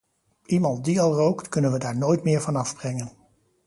Iemand die al rookt, kunnen we daar nooit meer vanaf brengen.